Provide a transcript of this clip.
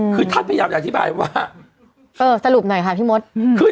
คือถ้าพี่ยามอยากที่บายว่าเออสรุปหน่อยค่ะพี่มดอืม